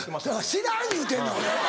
知らん言うてんねん俺は。